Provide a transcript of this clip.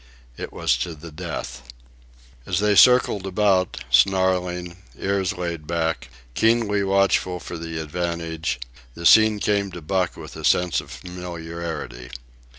It was to the death. As they circled about, snarling, ears laid back, keenly watchful for the advantage, the scene came to Buck with a sense of familiarity.